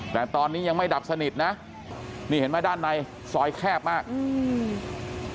แต่ตอนนี้ยังไม่ดับสนิทนะนี่เห็นไหมด้านในซอยแคบมากอืม